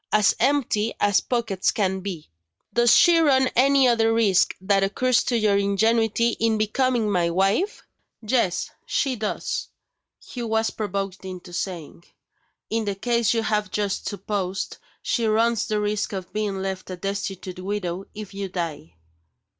as empty as pockets can be, does she run any other risk that occurs to your ingenuity in becoming my wife?" "Yes, she does!" Hugh was provoked into saying. "In the case you have just supposed, she runs the risk of being left a destitute widow if you die."